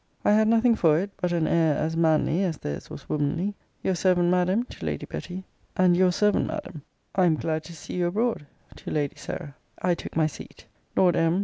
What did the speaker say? I had nothing for it, but an air as manly, as theirs was womanly. Your servant, Madam, to Lady Betty; and, Your servant, Madam, I am glad to see you abroad, to Lady Sarah. I took my seat. Lord M.